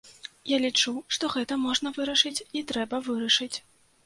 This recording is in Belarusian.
Я лічу, што гэта можна вырашыць, і трэба вырашыць.